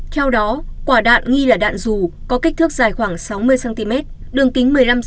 theo đó quả đạn nghi là đạn dù có kích thước dài khoảng sáu mươi cm đường kính một mươi năm c